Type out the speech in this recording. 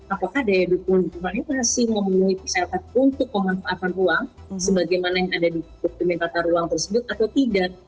apakah daya dukungan itu masih memenuhi kesehatan untuk penghantaran ruang sebagaimana yang ada di dokumen kata ruang tersebut atau tidak